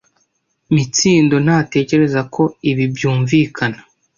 Mitsindo ntatekereza ko ibi byumvikana.